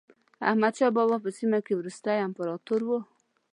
احمد شاه بابا په سیمه کې وروستی امپراتور و.